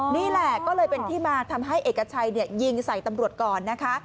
นี่แหละก็เลยเป็นที่มาทำให้เอกชัยยิงใส่ตำรวจก่อนนะคะ